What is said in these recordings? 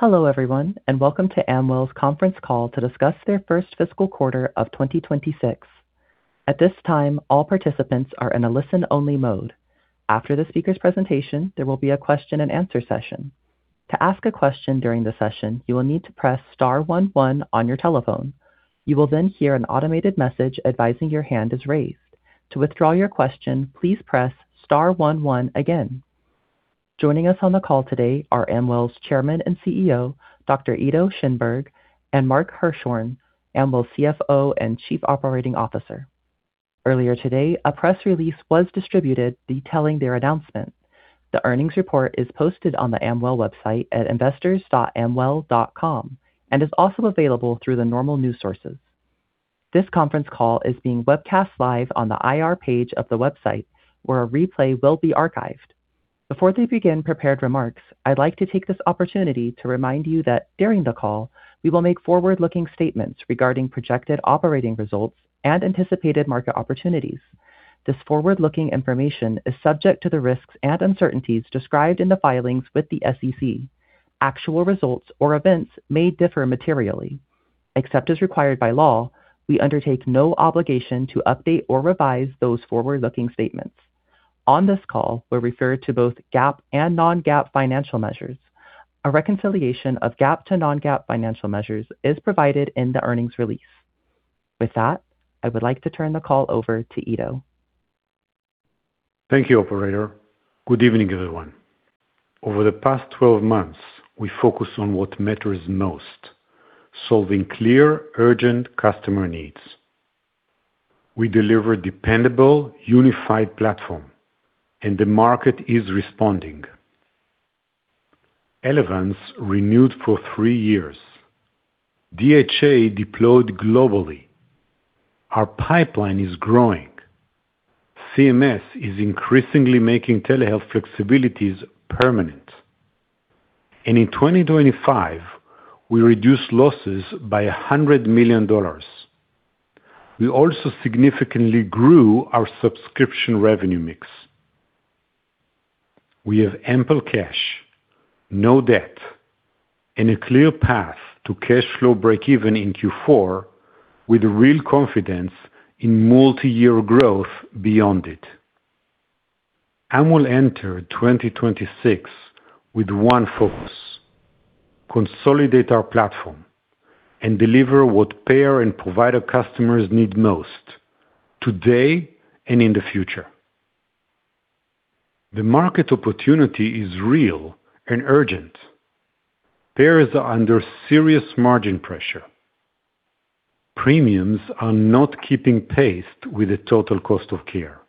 Hello everyone. Welcome to Amwell's conference call to discuss their firsst fiscal quarter of 2026. At this time, all participants are in a listen-only mode. After the speaker's presentation, there will be a question-and-answer session. To ask a question during the session, you will need to press star one one on your telephone. You will hear an automated message advising your hand is raised. To withdraw your question, please press star one one again. Joining us on the call today are Amwell's Chairman and CEO, Dr. Ido Schoenberg, and Mark Hirschhorn, Amwell's CFO and Chief Operating Officer. Earlier today, a press release was distributed detailing their announcement. The earnings report is posted on the Amwell website at investors.amwell.com and is also available through the normal news sources. This conference call is being webcast live on the IR page of the website, where a replay will be archived. Before they begin prepared remarks, I'd like to take this opportunity to remind you that during the call, we will make forward-looking statements regarding projected operating results and anticipated market opportunities. This forward-looking information is subject to the risks and uncertainties described in the filings with the SEC. Actual results or events may differ materially. Except as required by law, we undertake no obligation to update or revise those forward-looking statements. On this call, we'll refer to both GAAP and non-GAAP financial measures. A reconciliation of GAAP to non-GAAP financial measures is provided in the earnings release. With that, I would like to turn the call over to Ido. Thank you, operator. Good evening, everyone. Over the past 12 months, we focused on what matters most: solving clear, urgent customer needs. We deliver dependable, unified platform and the market is responding. Elevance renewed for three years. DHA deployed globally. Our pipeline is growing. CMS is increasingly making telehealth flexibilities permanent. In 2025, we reduced losses by $100 million. We also significantly grew our subscription revenue mix. We have ample cash, no debt, and a clear path to cash flow breakeven in Q4 with real confidence in multi-year growth beyond it. Amwell entered 2026 with one focus: consolidate our platform and deliver what payer and provider customers need most today and in the future. The market opportunity is real and urgent. Payers are under serious margin pressure. Premiums are not keeping pace with the total cost of care.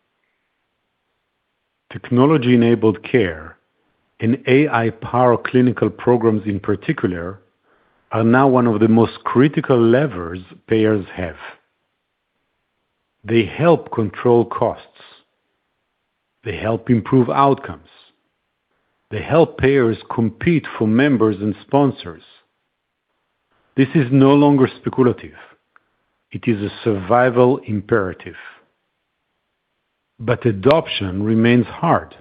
Technology-enabled care and AI-powered clinical programs, in particular, are now one of the most critical levers payers have. They help control costs. They help improve outcomes. They help payers compete for members and sponsors. This is no longer speculative. It is a survival imperative. Adoption remains hard.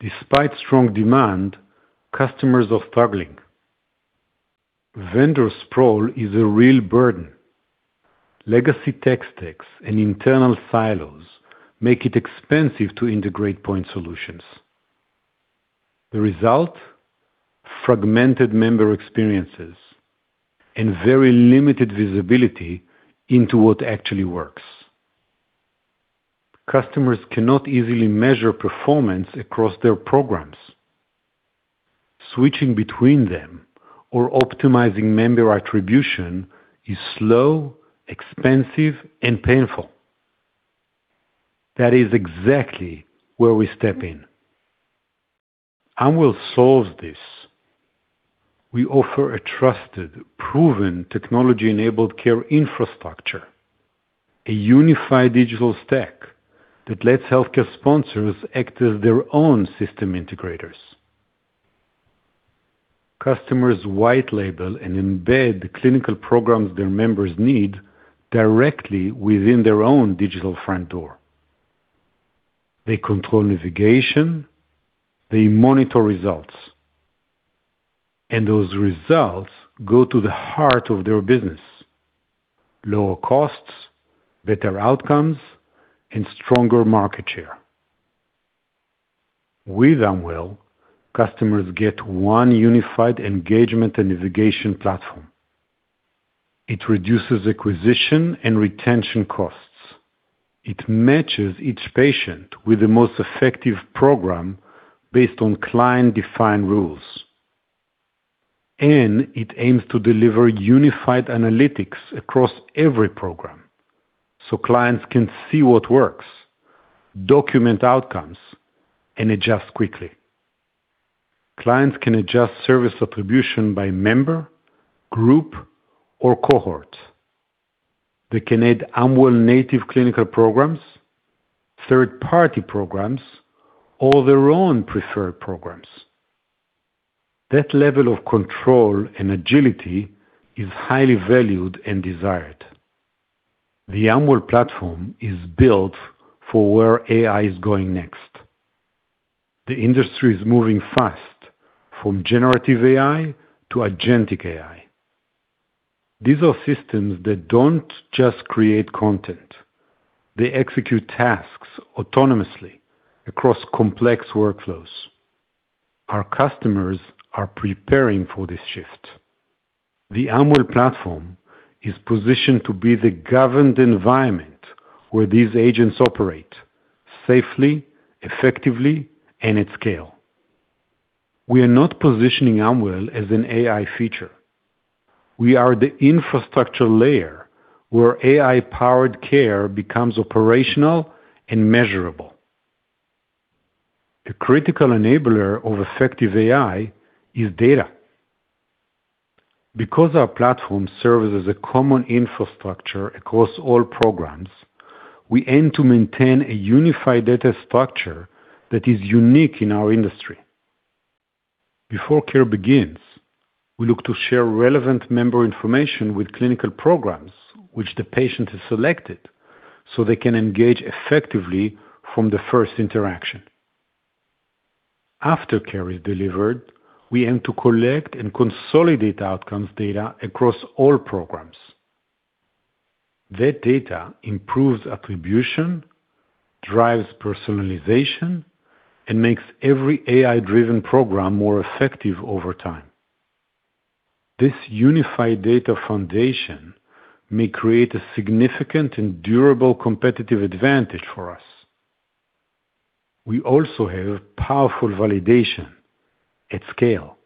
Despite strong demand, customers are struggling. Vendor sprawl is a real burden. Legacy tech stacks and internal silos make it expensive to integrate point solutions. The result? There are fragmented member experiences and very limited visibility into what actually works. Customers cannot easily measure performance across their programs. Switching between them or optimizing member attribution is slow, expensive, and painful. That is exactly where we step in. Amwell solves this. We offer a trusted, proven technology-enabled care infrastructure, a unified digital stack that lets healthcare sponsors act as their own system integrators. Customers white label and embed clinical programs their members need directly within their own digital front door. They control navigation, they monitor results, and those results go to the heart of their business: lower costs, better outcomes, and stronger market share. With Amwell, customers get one unified engagement and navigation platform. It reduces acquisition and retention costs. It matches each patient with the most effective program based on client-defined rules. It aims to deliver unified analytics across every program so clients can see what works, document outcomes, and adjust quickly. Clients can adjust service attribution by member, group, or cohort. They can add Amwell-native clinical programs, third-party programs, or their own preferred programs. That level of control and agility is highly valued and desired. The Amwell platform is built for where AI is going next. The industry is moving fast from generative AI to agentic AI. These are systems that don't just create content, they execute tasks autonomously across complex workflows. Our customers are preparing for this shift. The Amwell platform is positioned to be the governed environment where these agents operate safely, effectively, and at scale. We are not positioning Amwell as an AI feature. We are the infrastructure layer where AI-powered care becomes operational and measurable. A critical enabler of effective AI is data. Because our platform serves as a common infrastructure across all programs, we aim to maintain a unified data structure that is unique in our industry. Before care begins, we look to share relevant member information with clinical programs which the patient has selected, so they can engage effectively from the first interaction. After care is delivered, we aim to collect and consolidate outcomes data across all programs. That data improves attribution, drives personalization, and makes every AI-driven program more effective over time. This unified data foundation may create a significant and durable competitive advantage for us. We also have powerful validation at scale.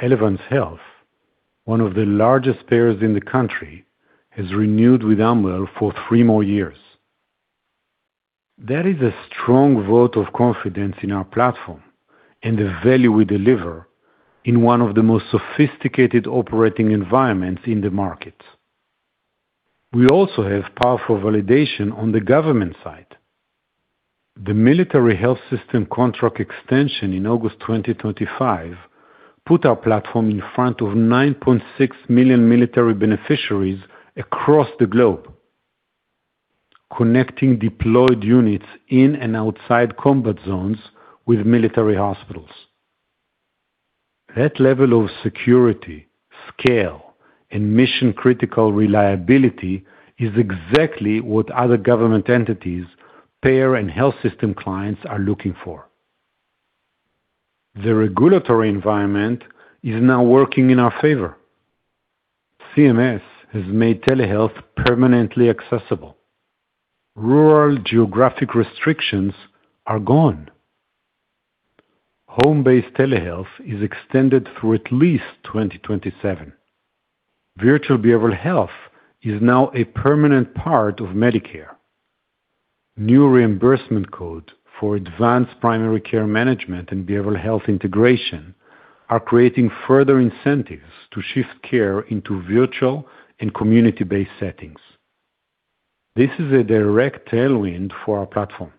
Elevance Health, one of the largest payers in the country, has renewed with Amwell for three more years. That is a strong vote of confidence in our platform and the value we deliver in one of the most sophisticated operating environments in the market. We also have powerful validation on the government side. The Military Health System contract extension in August 2025 put our platform in front of 9.6 million military beneficiaries across the globe, connecting deployed units in and outside combat zones with military hospitals. That level of security, scale, and mission-critical reliability is exactly what other government entities, payer, and health system clients are looking for. The regulatory environment is now working in our favor. CMS has made telehealth permanently accessible. Rural geographic restrictions are gone. Home-based telehealth is extended through at least 2027. Virtual behavioral health is now a permanent part of Medicare. New reimbursement code for advanced primary care management and behavioral health integration are creating further incentives to shift care into virtual and community-based settings. This is a direct tailwind for our platform.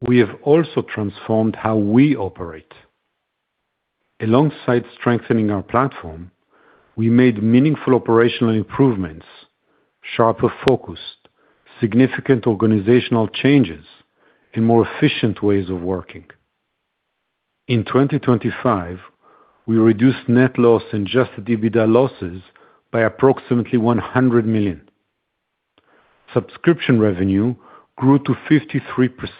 We have also transformed how we operate. Alongside strengthening our platform, we made meaningful operational improvements, sharper focus, significant organizational changes, and more efficient ways of working. In 2025, we reduced net loss and adjusted EBITDA losses by approximately $100 million. Subscription revenue grew to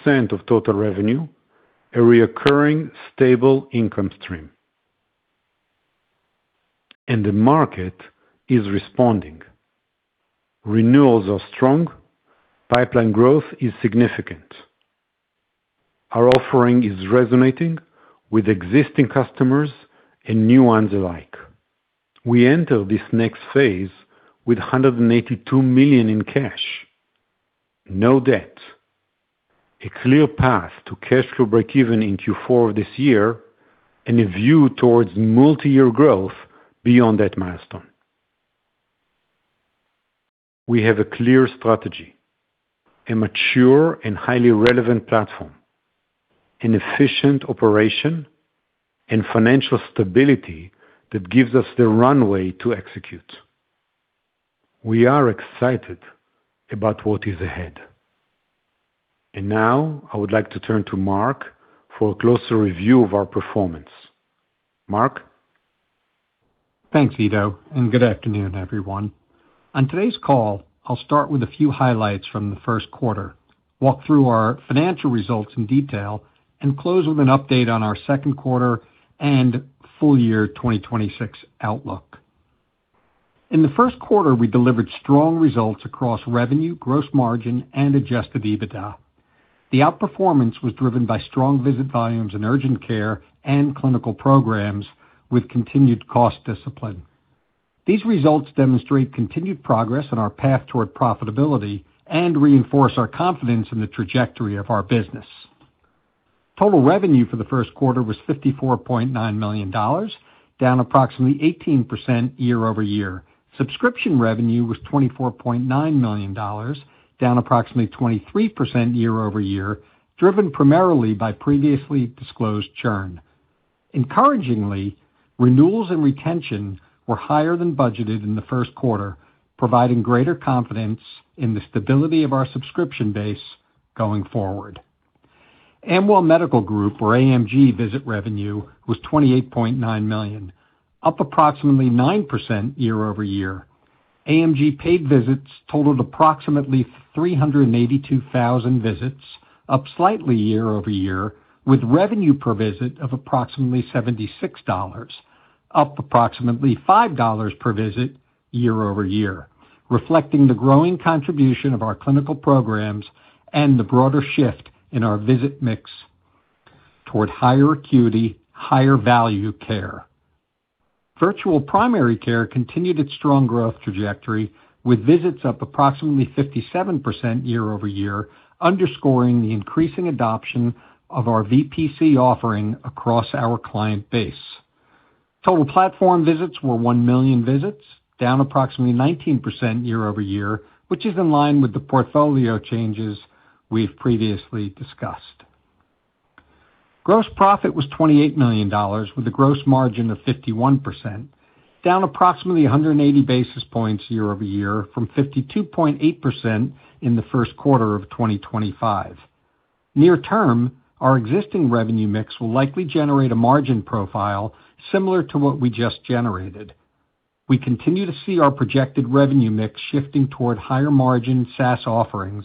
53% of total revenue, a reoccurring stable income stream. The market is responding. Renewals are strong. Pipeline growth is significant. Our offering is resonating with existing customers and new ones alike. We enter this next phase with $182 million in cash, no debt, a clear path to cash flow breakeven in Q4 of this year, and a view towards multi-year growth beyond that milestone. We have a clear strategy, a mature and highly relevant platform, an efficient operation, and financial stability that gives us the runway to execute. We are excited about what is ahead. Now I would like to turn to Mark for a closer review of our performance. Mark? Thanks, Ido, and good afternoon, everyone. On today's call, I'll start with a few highlights from the first quarter, walk through our financial results in detail, and close with an update on our second quarter and full year 2026 outlook. In the first quarter, we delivered strong results across revenue, gross margin, and adjusted EBITDA. The outperformance was driven by strong visit volumes in urgent care and clinical programs with continued cost discipline. These results demonstrate continued progress on our path toward profitability and reinforce our confidence in the trajectory of our business. Total revenue for the first quarter was $54.9 million, down approximately 18% year-over-year. Subscription revenue was $24.9 million, down approximately 23% year-over-year, driven primarily by previously disclosed churn. Encouragingly, renewals and retention were higher than budgeted in the first quarter, providing greater confidence in the stability of our subscription base going forward. Amwell Medical Group, or AMG visit revenue, was $28.9 million, up approximately 9% year-over-year. AMG paid visits totaled approximately 382,000 visits, up slightly year-over-year, with revenue per visit of approximately $76, up approximately $5 per visit year-over-year, reflecting the growing contribution of our clinical programs and the broader shift in our visit mix toward higher acuity, higher value care. Virtual primary care continued its strong growth trajectory, with visits up approximately 57% year-over-year, underscoring the increasing adoption of our VPC offering across our client base. Total platform visits were 1 million visits, down approximately 19% year-over-year, which is in line with the portfolio changes we've previously discussed. Gross profit was $28 million with a gross margin of 51%, down approximately 180 basis points year-over-year from 52.8% in the first quarter of 2025. Near term, our existing revenue mix will likely generate a margin profile similar to what we just generated. We continue to see our projected revenue mix shifting toward higher margin SaaS offerings,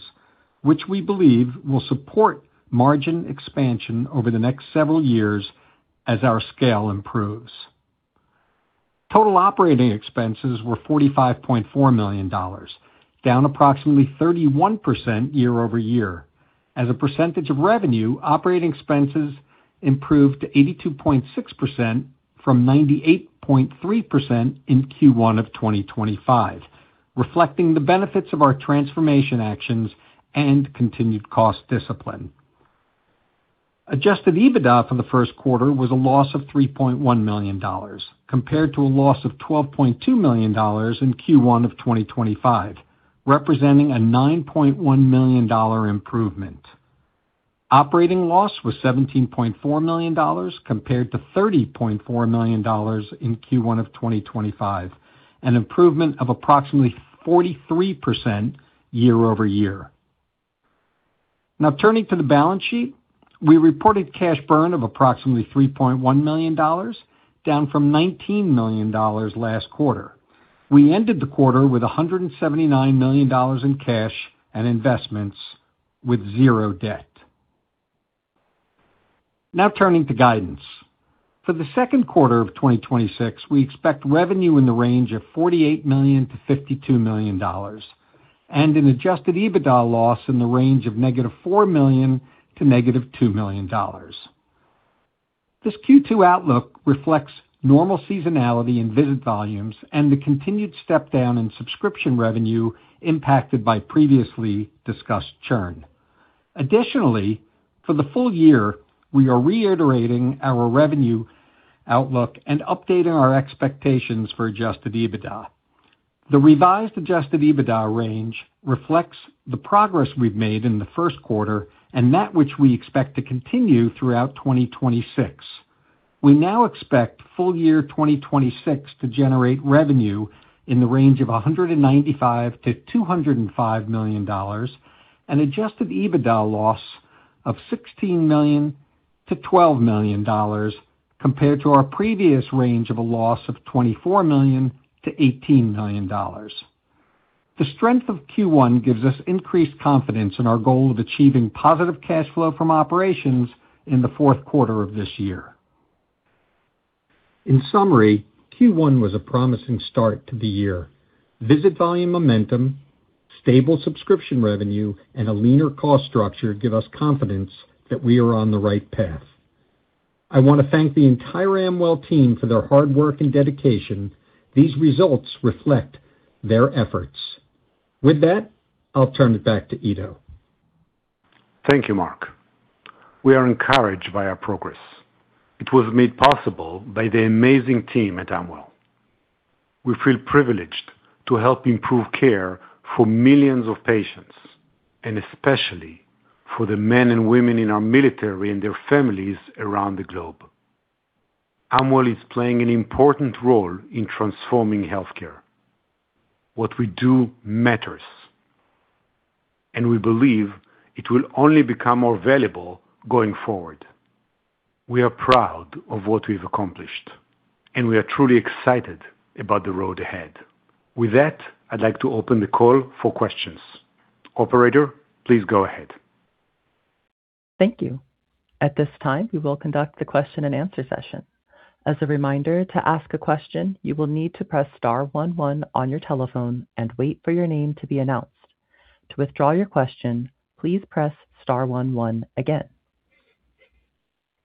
which we believe will support margin expansion over the next several years as our scale improves. Total operating expenses were $45.4 million, down approximately 31% year-over-year. As a percentage of revenue, operating expenses improved to 82.6% from 98.3% in Q1 of 2025, reflecting the benefits of our transformation actions and continued cost discipline. Adjusted EBITDA for the first quarter was a loss of $3.1 million, compared to a loss of $12.2 million in Q1 of 2025, representing a $9.1 million improvement. Operating loss was $17.4 million compared to $30.4 million in Q1 of 2025, an improvement of approximately 43% year-over-year. Turning to the balance sheet. We reported cash burn of approximately $3.1 million, down from $19 million last quarter. We ended the quarter with $179 million in cash and investments with zero debt. Turning to guidance. For Q2 2026, we expect revenue in the range of $48 million-$52 million and an adjusted EBITDA loss in the range of -$4 million to -$2 million. This Q2 outlook reflects normal seasonality in visit volumes and the continued step down in subscription revenue impacted by previously discussed churn. Additionally, for the full year, we are reiterating our revenue outlook and updating our expectations for adjusted EBITDA. The revised adjusted EBITDA range reflects the progress we've made in first quarter and that which we expect to continue throughout 2026. We now expect full-year 2026 to generate revenue in the range of $195 million-$205 million, an adjusted EBITDA loss of $16 million-$12 million compared to our previous range of a loss of $24 million-$18 million. The strength of Q1 gives us increased confidence in our goal of achieving positive cash flow from operations in the fourth quarter of this year. In summary, Q1 was a promising start to the year. Visit volume momentum, stable subscription revenue, and a leaner cost structure give us confidence that we are on the right path. I want to thank the entire Amwell team for their hard work and dedication. These results reflect their efforts. With that, I'll turn it back to Ido. Thank you, Mark. We are encouraged by our progress. It was made possible by the amazing team at Amwell. We feel privileged to help improve care for millions of patients, and especially for the men and women in our military and their families around the globe. Amwell is playing an important role in transforming healthcare. What we do matters, and we believe it will only become more valuable going forward. We are proud of what we've accomplished, and we are truly excited about the road ahead. With that, I'd like to open the call for questions. Operator, please go ahead. Thank you. At this time, we will conduct the question-and-answer session. As a reminder, to ask a question, you will need to press star one one on your telephone and wait for your name to be announced. To withdraw your question, please press star one one again.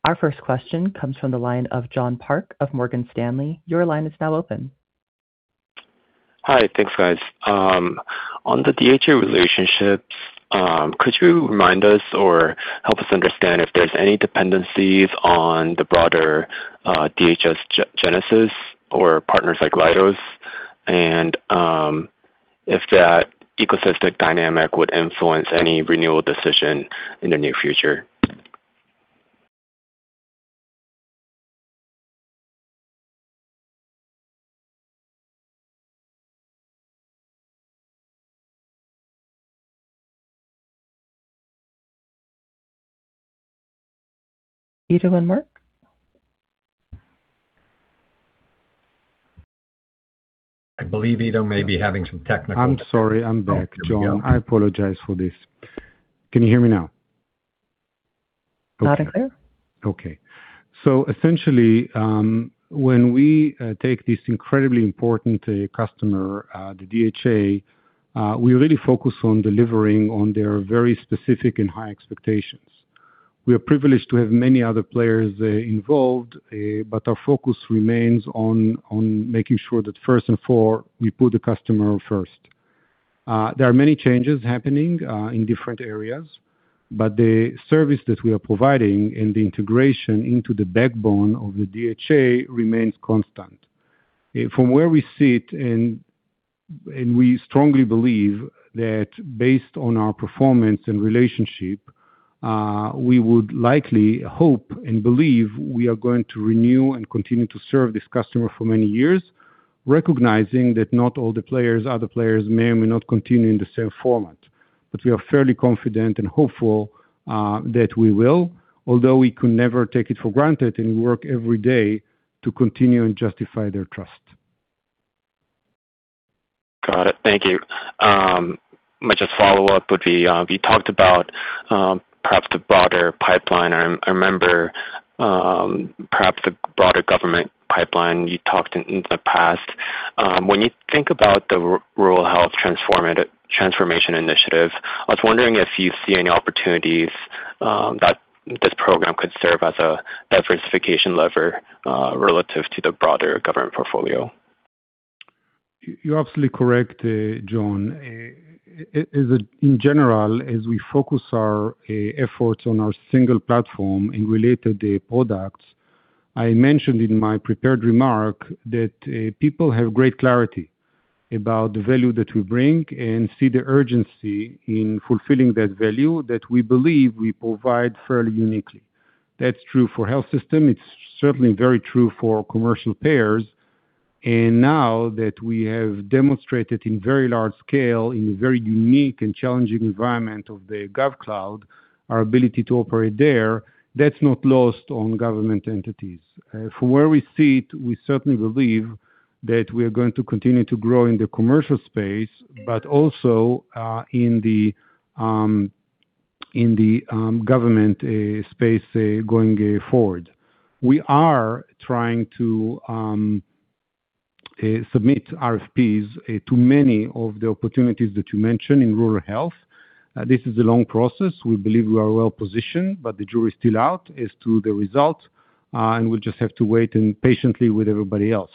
Our first question comes from the line of John Park of Morgan Stanley. Your line is now open. Hi. Thanks, guys. On the DHA relationship, could you remind us or help us understand if there's any dependencies on the broader MHS GENESIS or partners like Leidos, and if that ecosystem dynamic would influence any renewal decision in the near future? Ido and Mark? I believe Ido may be having some technical. I'm sorry. I'm back, John. I apologize for this. Can you hear me now? Loud and clear. Essentially, when we take this incredibly important customer, the DHA, we really focus on delivering on their very specific and high expectations. We are privileged to have many other players involved, but our focus remains on making sure that first and foremost, we put the customer first. There are many changes happening in different areas, but the service that we are providing and the integration into the backbone of the DHA remains constant. From where we sit, we strongly believe that based on our performance and relationship, we would likely hope and believe we are going to renew and continue to serve this customer for many years, recognizing that not all the players, other players may or may not continue in the same format. We are fairly confident and hopeful that we will, although we could never take it for granted, and we work every day to continue and justify their trust. Got it. Thank you. My just follow-up would be, we talked about, perhaps the broader pipeline. I remember, perhaps the broader government pipeline you talked in the past. When you think about the Rural Health Transformation Initiative, I was wondering if you see any opportunities, that this program could serve as a diversification lever, relative to the broader government portfolio. You're absolutely correct, John. In general, as we focus our efforts on our single platform and related products, I mentioned in my prepared remark that people have great clarity about the value that we bring and see the urgency in fulfilling that value that we believe we provide fairly uniquely. That's true for health system. It's certainly very true for commercial payers. Now that we have demonstrated in very large scale, in a very unique and challenging environment of the GovCloud, our ability to operate there, that's not lost on government entities. From where we sit, we certainly believe that we are going to continue to grow in the commercial space, but also in the government space going forward. We are trying to submit RFPs to many of the opportunities that you mentioned in rural health. This is a long process. We believe we are well-positioned, but the jury is still out as to the results, and we'll just have to wait and patiently with everybody else.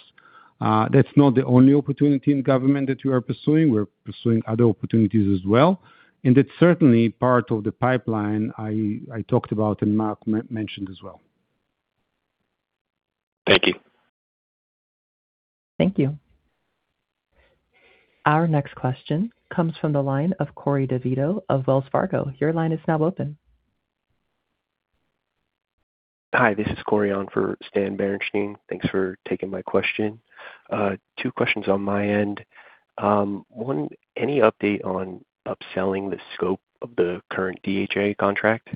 That's not the only opportunity in government that we are pursuing. We're pursuing other opportunities as well, and it's certainly part of the pipeline I talked about and Mark mentioned as well. Thank you. Thank you. Our next question comes from the line of Corey DeVito of Wells Fargo. Your line is now open. Hi, this is Corey on for Stan Berenshteyn. Thanks for taking my question. Two questions on my end. One, any update on upselling the scope of the current DHA contract?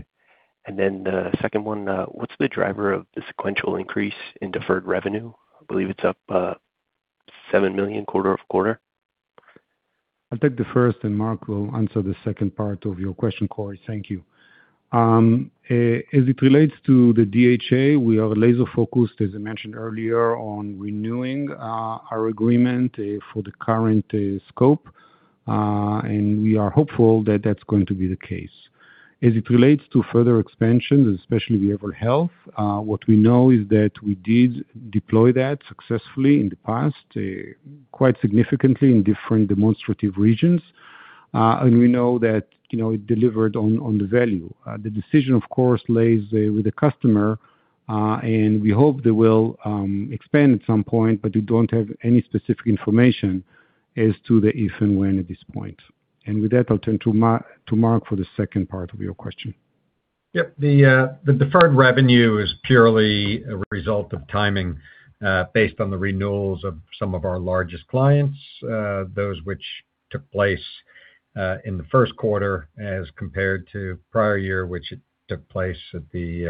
The second one, what's the driver of the sequential increase in deferred revenue? I believe it's up, $7 million quarter-over-quarter. I'll take the first, and Mark will answer the second part of your question, Corey. Thank you. As it relates to the DHA, we are laser-focused, as I mentioned earlier, on renewing our agreement for the current scope. We are hopeful that that's going to be the case. As it relates to further expansion, especially the EverHealth, what we know is that we did deploy that successfully in the past, quite significantly in different demonstrative regions. We know that, you know, it delivered on the value. The decision, of course, lays with the customer, and we hope they will expand at some point, but we don't have any specific information as to the if and when at this point. With that, I'll turn to Mark for the second part of your question. Yep. The deferred revenue is purely a result of timing, based on the renewals of some of our largest clients, those which took place in the first quarter as compared to prior year, which it took place at the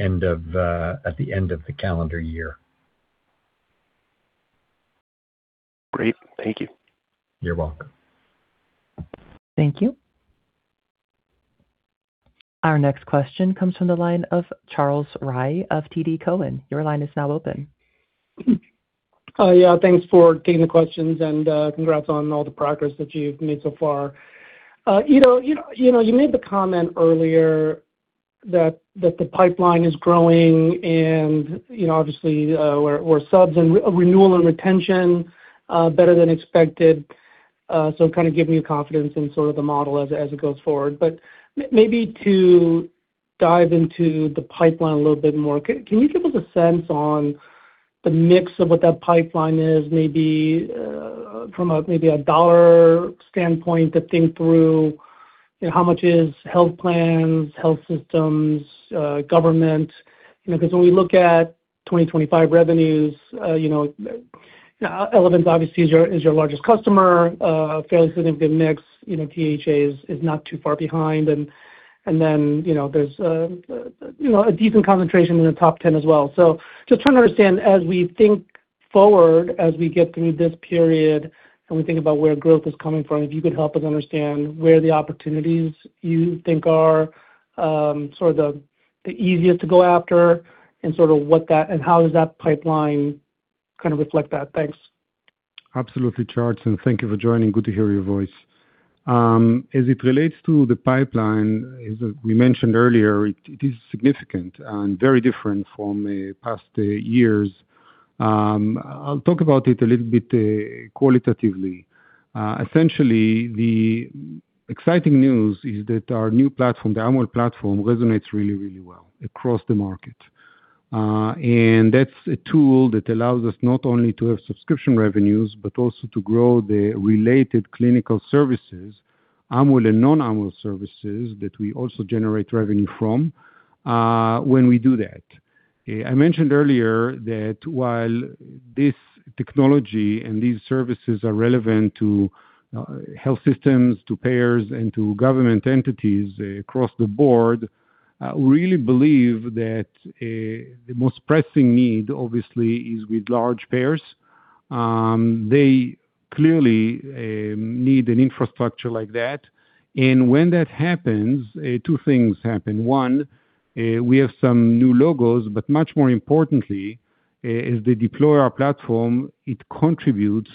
end of the calendar year. Great. Thank you. You're welcome. Thank you. Our next question comes from the line of Charles Rhyee of TD Cowen. Your line is now open. Thanks for taking the questions and congrats on all the progress that you've made so far. You know, you made the comment earlier that the pipeline is growing and, you know, obviously, we're subs and renewal and retention better than expected. Kind of giving you confidence in sort of the model as it goes forward. Maybe to dive into the pipeline a little bit more, can you give us a sense on the mix of what that pipeline is, maybe, from a, maybe a dollar standpoint to think through, you know, how much is health plans, health systems, government? You know, because when we look at 2025 revenues, you know, Elevance Health obviously is your largest customer, a fairly significant mix. You know, DHA is not too far behind. You know, there's, you know, a decent concentration in the top 10 as well. Just trying to understand, as we think forward, as we get through this period and we think about where growth is coming from, if you could help us understand where the opportunities you think are sort of the easiest to go after and sort of what that and how does that pipeline kind of reflect that? Thanks. Absolutely, Charles, thank you for joining. Good to hear your voice. As it relates to the pipeline, as we mentioned earlier, it is significant and very different from past years. I'll talk about it a little bit qualitatively. Essentially, the exciting news is that our new platform, the Amwell Platform, resonates really, really well across the market. That's a tool that allows us not only to have subscription revenues, but also to grow the related clinical services, Amwell and non-Amwell services, that we also generate revenue from when we do that. I mentioned earlier that while this technology and these services are relevant to health systems, to payers, and to government entities across the board, I really believe that the most pressing need obviously is with large payers. They clearly need an infrastructure like that. When that happens, two things happen. One, we have some new logos, but much more importantly, as they deploy our platform, it contributes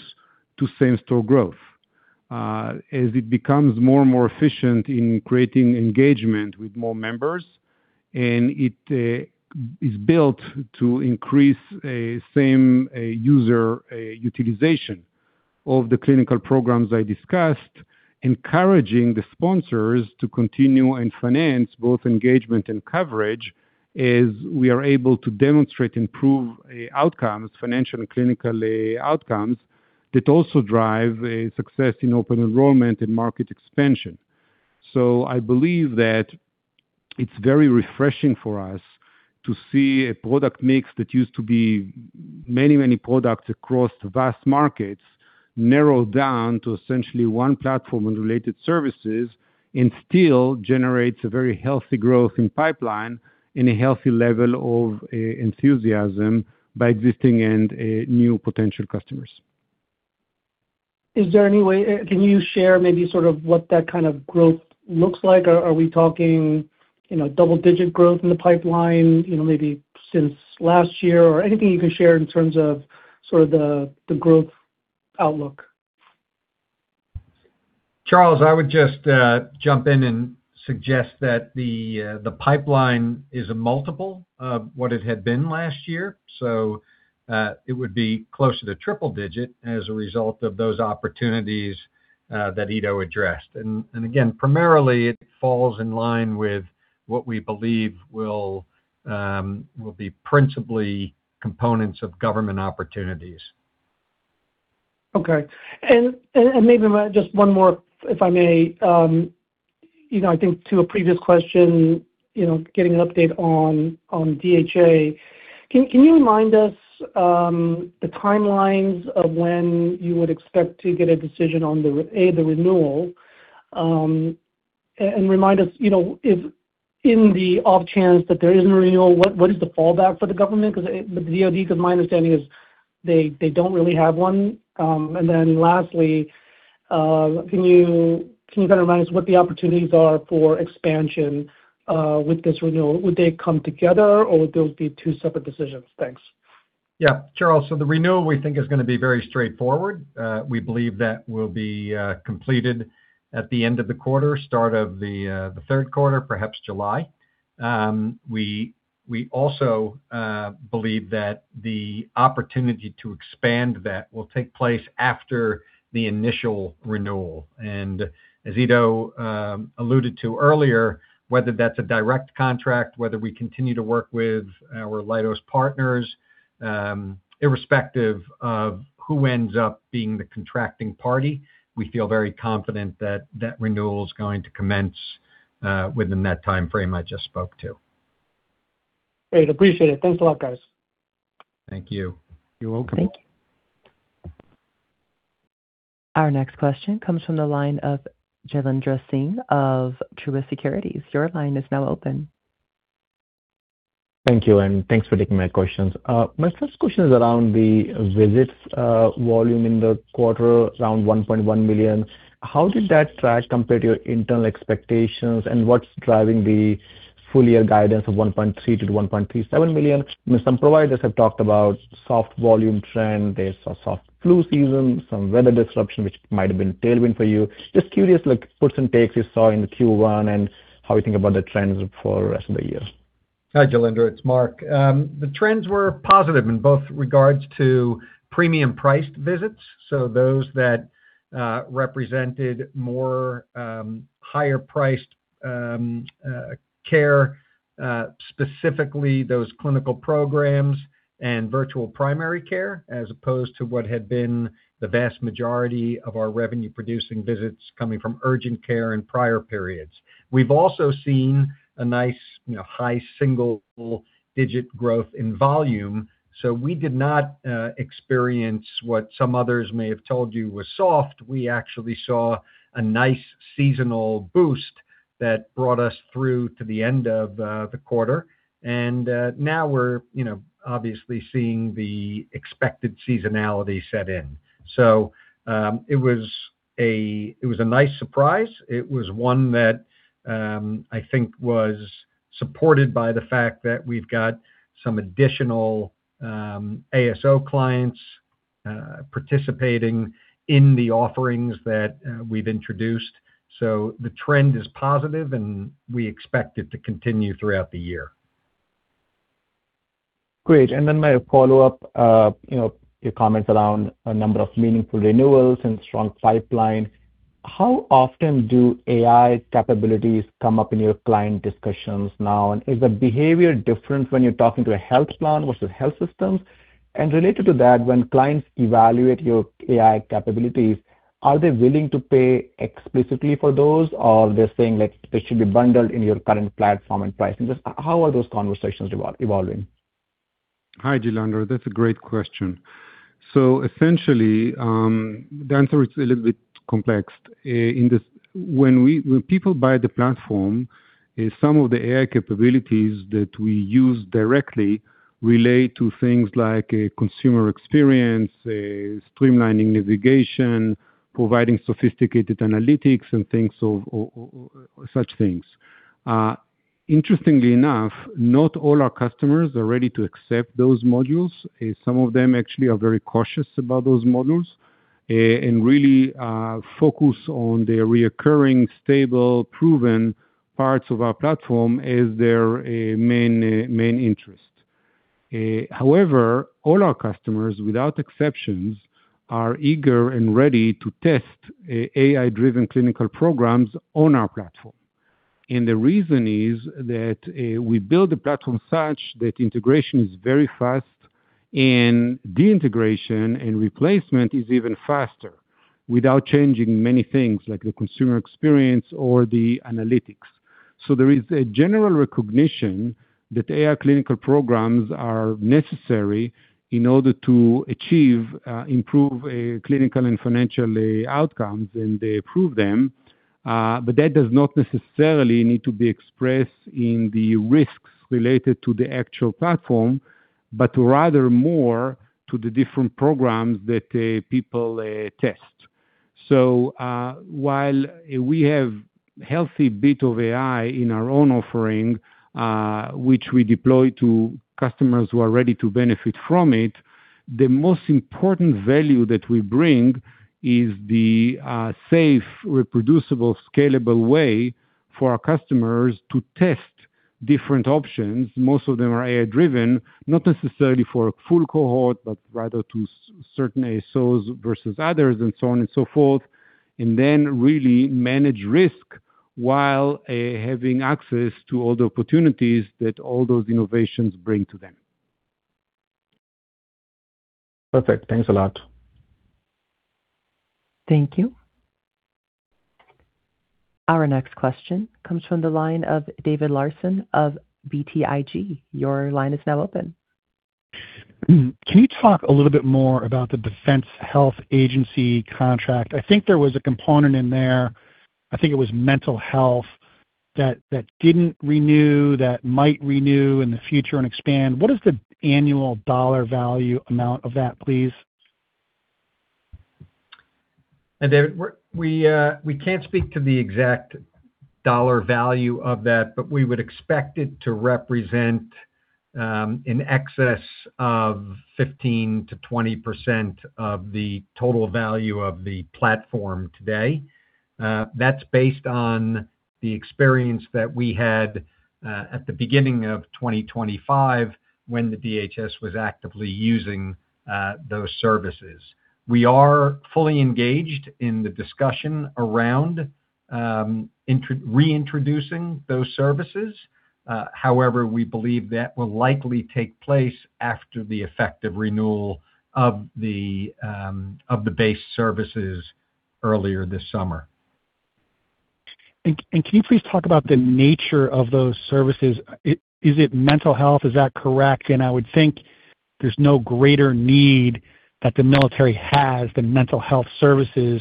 to same-store growth. As it becomes more and more efficient in creating engagement with more members, and it is built to increase same user utilization of the clinical programs I discussed, encouraging the sponsors to continue and finance both engagement and coverage as we are able to demonstrate and prove outcomes, financial and clinical outcomes, that also drive success in open enrollment and market expansion. I believe that it's very refreshing for us to see a product mix that used to be many, many products across vast markets narrow down to essentially one platform and related services and still generates a very healthy growth in pipeline and a healthy level of enthusiasm by existing and new potential customers. Is there any way, can you share maybe sort of what that kind of growth looks like? Are we talking, you know, double-digit growth in the pipeline, you know, maybe since last year? Anything you can share in terms of sort of the growth outlook? Charles, I would just jump in and suggest that the pipeline is a multiple of what it had been last year, so it would be closer to triple digit as a result of those opportunities that Ido addressed. Again, primarily it falls in line with what we believe will be principally components of government opportunities. Okay. Maybe just one more, if I may. You know, I think to a previous question, you know, getting an update on DHA. Can you remind us the timelines of when you would expect to get a decision on the renewal? Remind us, you know, if in the off chance that there isn't a renewal, what is the fallback for the government 'cause the DoD? 'Cause my understanding is they don't really have one. Then lastly, can you kind of remind us what the opportunities are for expansion with this renewal? Would they come together or would those be two separate decisions? Thanks. Charles, the renewal, we think is going to be very straightforward. We believe that will be completed at the end of the quarter, start of the third quarter, perhaps July. We also believe that the opportunity to expand that will take place after the initial renewal. As Ido alluded to earlier, whether that's a direct contract, whether we continue to work with our Leidos partners, irrespective of who ends up being the contracting party, we feel very confident that that renewal is going to commence within that timeframe I just spoke to. Great. Appreciate it. Thanks a lot, guys. Thank you. You're welcome. Thank you. Our next question comes from the line of Jailendra Singh of Truist Securities. Your line is now open. Thank you. Thanks for taking my questions. My first question is around the visits volume in the quarter, around $1.1 million. How did that track compared to your internal expectations, and what's driving the full year guidance of $1.3 million-$1.37 million? I mean, some providers have talked about soft volume trend. They saw soft flu season, some weather disruption, which might have been tailwind for you. Just curious, like, puts and takes you saw in the Q1 and how you think about the trends for rest of the year. Hi, Jailendra. It's Mark. The trends were positive in both regards to premium priced visits, so those that represented more higher priced care, specifically those clinical programs and virtual primary care, as opposed to what had been the vast majority of our revenue-producing visits coming from urgent care in prior periods. We've also seen a nice, you know, high-single-digit growth in volume. We did not experience what some others may have told you was soft. We actually saw a nice seasonal boost that brought us through to the end of the quarter. Now we're, you know, obviously seeing the expected seasonality set in. It was a nice surprise. It was one that, I think was supported by the fact that we've got some additional ASO clients participating in the offerings that we've introduced. The trend is positive, and we expect it to continue throughout the year. Great. My follow-up, you know, your comments around a number of meaningful renewals and strong pipeline. How often do AI capabilities come up in your client discussions now? Is the behavior different when you're talking to a health plan versus health systems? Related to that, when clients evaluate your AI capabilities, are they willing to pay explicitly for those or they're saying like they should be bundled in your current platform and pricing? Just how are those conversations evolving? Hi, Jailendra. That's a great question. Essentially, the answer is a little bit complex. When people buy the platform, some of the AI capabilities that we use directly relate to things like consumer experience, streamlining navigation, providing sophisticated analytics and things of such things. Interestingly enough, not all our customers are ready to accept those modules. Some of them actually are very cautious about those modules and really focus on their recurring, stable, proven parts of our platform as their main interest. However, all our customers, without exceptions, are eager and ready to test AI-driven clinical programs on our platform. The reason is that we build the platform such that integration is very fast, and deintegration and replacement is even faster without changing many things like the consumer experience or the analytics. There is a general recognition that AI clinical programs are necessary in order to achieve, improve, clinical and financial outcomes, and they prove them. But that does not necessarily need to be expressed in the risks related to the actual platform, but rather more to the different programs that people test. While we have healthy bit of AI in our own offering, which we deploy to customers who are ready to benefit from it, the most important value that we bring is the safe, reproducible, scalable way for our customers to test different options. Most of them are AI driven, not necessarily for a full cohort, but rather to certain ASOs versus others and so on and so forth, and then really manage risk while having access to all the opportunities that all those innovations bring to them. Perfect. Thanks a lot. Thank you. Our next question comes from the line of David Larsen of BTIG. Your line is now open. Can you talk a little bit more about the Defense Health Agency contract? I think there was a component in there, I think it was mental health, that didn't renew, that might renew in the future and expand. What is the annual dollar value amount of that, please? Hi, David. We can't speak to the exact dollar value of that, but we would expect it to represent in excess of 15%-20% of the total value of the platform today. That's based on the experience that we had at the beginning of 2025 when the DHA was actively using those services. We are fully engaged in the discussion around reintroducing those services. However, we believe that will likely take place after the effective renewal of the base services earlier this summer. Can you please talk about the nature of those services? Is it mental health? Is that correct? I would think there's no greater need that the military has than mental health services,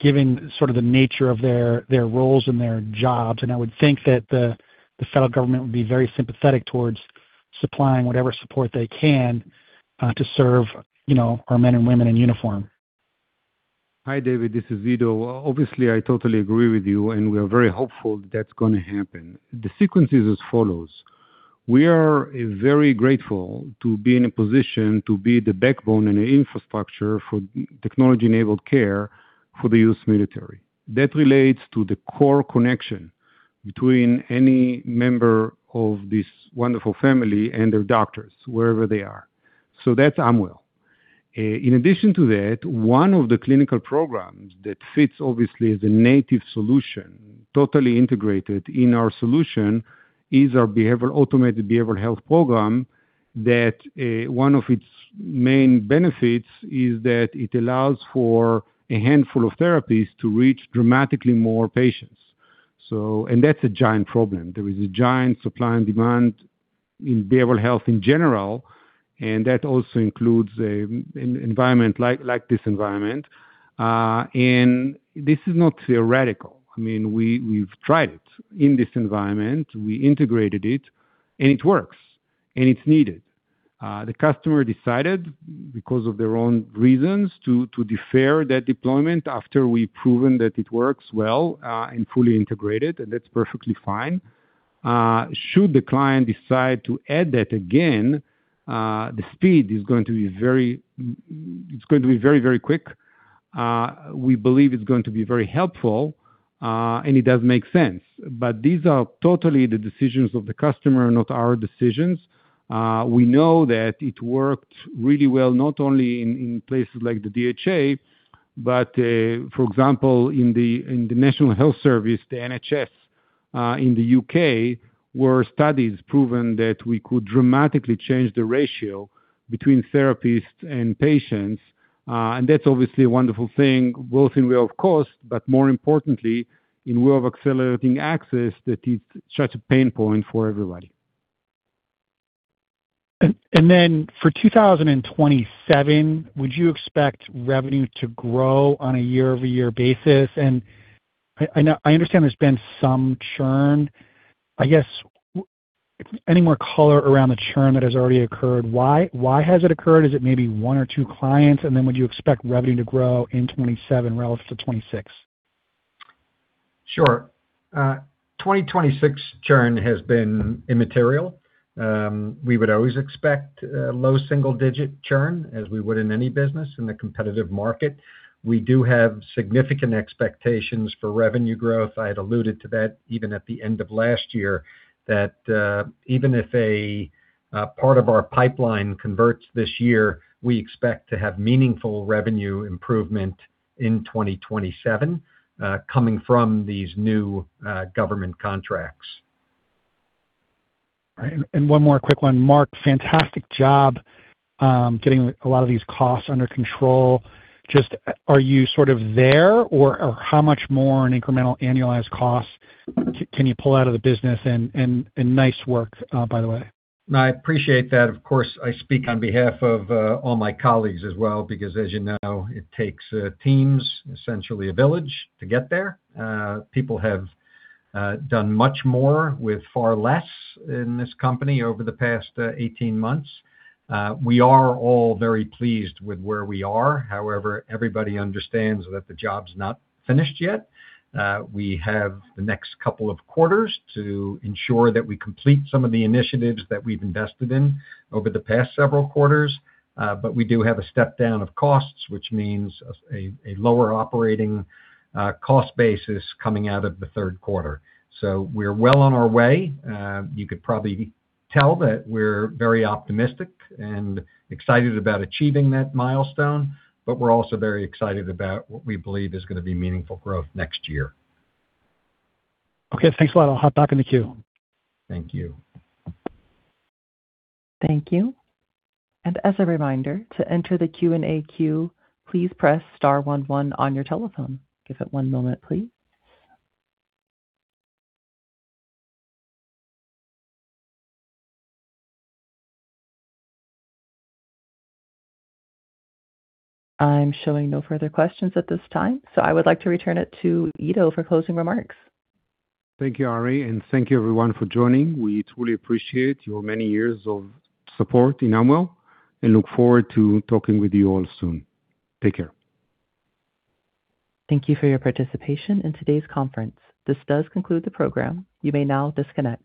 given sort of the nature of their roles and their jobs. I would think that the federal government would be very sympathetic towards supplying whatever support they can to serve, you know, our men and women in uniform. Hi, David. This is Ido. Obviously, I totally agree with you, and we are very hopeful that's gonna happen. The sequence is as follows: We are very grateful to be in a position to be the backbone and the infrastructure for technology-enabled care for the U.S. military. That relates to the core connection between any member of this wonderful family and their doctors, wherever they are. That's Amwell. In addition to that, one of the clinical programs that fits obviously as a native solution, totally integrated in our solution, is our automated behavioral health program that one of its main benefits is that it allows for a handful of therapies to reach dramatically more patients. That's a giant problem. There is a giant supply and demand in behavioral health in general, and that also includes an environment like this environment. This is not theoretical. I mean, we've tried it in this environment. We integrated it, and it works, and it's needed. The customer decided because of their own reasons to defer that deployment after we've proven that it works well, and fully integrated, and that's perfectly fine. Should the client decide to add that again, the speed is going to be very quick. We believe it's going to be very helpful, and it does make sense. These are totally the decisions of the customer, not our decisions. We know that it worked really well, not only in places like the DHA, but for example, in the National Health Service, the NHS, in the U.K., where studies proven that we could dramatically change the ratio between therapists and patients. That's obviously a wonderful thing, both in way of cost, but more importantly, in way of accelerating access that is such a pain point for everybody. For 2027, would you expect revenue to grow on a year-over-year basis? I understand there's been some churn. I guess any more color around the churn that has already occurred. Why has it occurred? Is it maybe one or two clients? Would you expect revenue to grow in 2027 relative to 2026? Sure. 2026 churn has been immaterial. We would always expect low-single-digit churn, as we would in any business in a competitive market. We do have significant expectations for revenue growth. I had alluded to that even at the end of last year, that even if a part of our pipeline converts this year, we expect to have meaningful revenue improvement in 2027, coming from these new government contracts. All right. One more quick one. Mark, fantastic job, getting a lot of these costs under control. Just, are you sort of there or how much more in incremental annualized costs can you pull out of the business? Nice work, by the way. No, I appreciate that. Of course, I speak on behalf of all my colleagues as well, because as you know, it takes teams, essentially a village to get there. People have done much more with far less in this company over the past 18 months. We are all very pleased with where we are. Everybody understands that the job's not finished yet. We have the next couple of quarters to ensure that we complete some of the initiatives that we've invested in over the past several quarters. We do have a step down of costs, which means a lower operating cost basis coming out of the third quarter. We're well on our way. You could probably tell that we're very optimistic and excited about achieving that milestone, but we're also very excited about what we believe is gonna be meaningful growth next year. Okay. Thanks a lot. I'll hop back in the queue. Thank you. Thank you. As a reminder, to enter the Q&A queue, please press star one one on your telephone. Give it one moment, please. I'm showing no further questions at this time. I would like to return it to Ido for closing remarks. Thank you, Ari. Thank you everyone for joining. We truly appreciate your many years of support in Amwell and look forward to talking with you all soon. Take care. Thank you for your participation in today's conference. This does conclude the program. You may now disconnect.